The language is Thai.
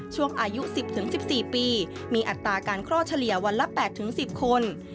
ช่วงอายุ๑๐๑๔ปีมีอัตราการคลอดเฉลี่ยวันละ๘๑๐คน